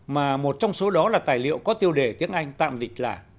mà một trong số đó là tài liệu có tiêu đề tiếng anh tạm dịch là